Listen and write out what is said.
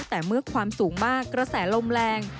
แต่เมื่อความสูงมากกระแสลมแรง